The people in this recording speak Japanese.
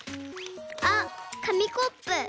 ほうかみコップ。